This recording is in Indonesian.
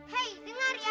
hei dengar ya